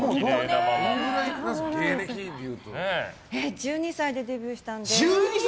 １２歳でデビューしたので。